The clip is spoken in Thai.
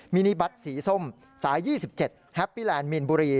นิบัตรสีส้มสาย๒๗แฮปปี้แลนดมีนบุรี